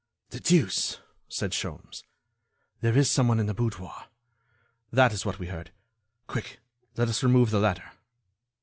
"The deuce!" said Sholmes, "there is someone in the boudoir. That is what we heard. Quick, let us remove the ladder."